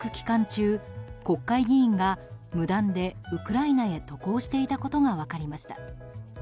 中国会議員が無断でウクライナへ渡航していたことが分かりました。